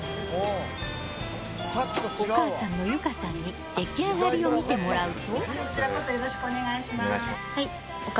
お母さんの結花さんに出来上がりを見てもらうと。